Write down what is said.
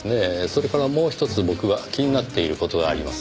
それからもうひとつ僕は気になっている事があります。